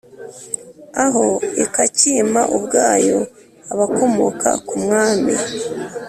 aho ikacyima ubwayo, abakomoka ku mwami,